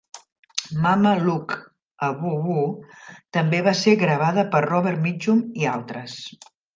"Mama Look a Boo Boo" també va ser gravada per Robert Mitchum i altres.